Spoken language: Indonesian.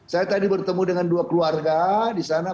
saya tadi bertemu dengan dua keluarga di sana